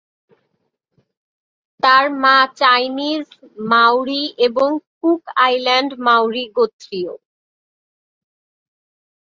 তার মা Chinese, Maori এবং কুক আইল্যান্ড মাওরি গোত্রীয়।